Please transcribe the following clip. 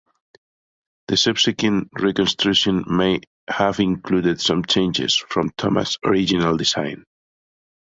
The subsequent reconstruction may have included some changes from Thomas’ original design.